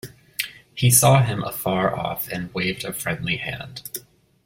He saw him afar off and waved a friendly hand.